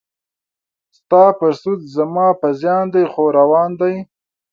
ستا په سود زما په زیان دی خو روان دی.